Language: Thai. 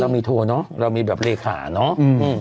เรามีโทรเนอะเรามีแบบเลขาเนาะ